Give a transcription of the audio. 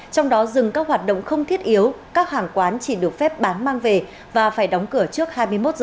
trong đó dừng các hoạt động không thiết yếu các hàng quán chỉ được phép bán mang về và phải đóng cửa trước hai mươi một h